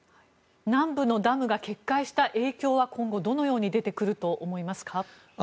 南部のダムが決壊した影響は今後、どのように出てくると思われますか？